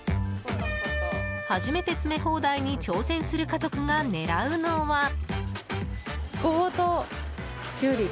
初めて詰め放題に挑戦する家族が狙うのは。